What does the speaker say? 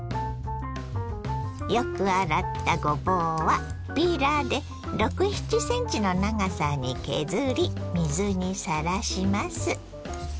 よく洗ったごぼうはピーラーで６７ｃｍの長さに削り水にさらします。